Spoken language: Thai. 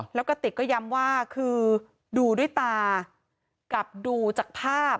แล้วกระติกก็ย้ำว่าคือดูด้วยตากับดูจากภาพ